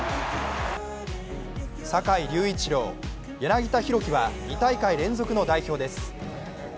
坂井隆一郎、柳田大輝は２大会連続の代表です。